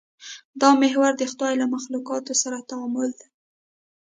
دا محور د خدای له مخلوقاتو سره تعامل دی.